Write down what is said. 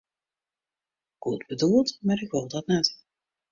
Goed bedoeld, mar ik wol dat net.